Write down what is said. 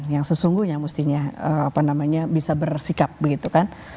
yang sesungguhnya mestinya bisa bersikap begitu kan